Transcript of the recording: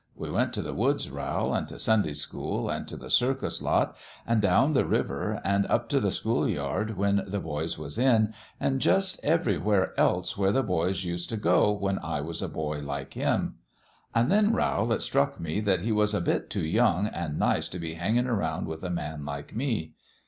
We went t' the woods, Rowl, an' t' Sunday school, an' t' the circus lot, an' down the river, an' up t' the school yard when the boys was in, an' jus' everywhere else where the tjpys used t' go when I was a boy like him. An' then, Rowl, it struck me that he was a bit too young an' nice t' be hangin' around with a man like me.